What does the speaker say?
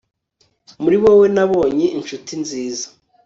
Muri wowe nabonye inshuti nziza